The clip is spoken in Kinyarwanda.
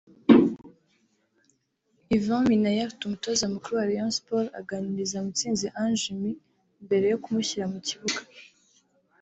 Ivan Minaert Umutoza mukuru wa Rayon Sports aganiriza Mutsinzi Ange Jimmy mbere yo kumushyira mu kibuga